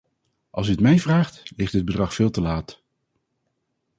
Als u het mij vraagt, ligt dit bedrag veel te laat.